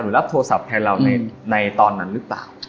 รับโทรศัพท์แทนเราในตอนนั้นหรือเปล่า